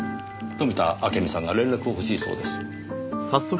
富田明美さんが連絡を欲しいそうです。